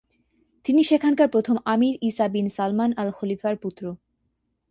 তিনি সেখানকার প্রথম আমির ঈসা বিন সালমান আল খলিফার পুত্র।